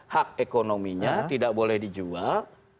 hak ekonominya tidak boleh dijual